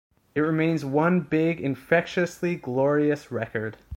It remains one big, infectiously glorious record.